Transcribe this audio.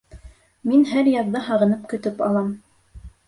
Мин һәр яҙҙы һағынып көтөп алам.